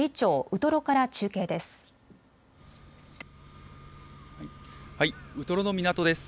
ウトロから中継です。